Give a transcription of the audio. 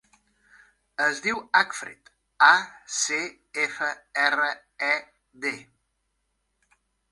Es diu Acfred: a, ce, efa, erra, e, de.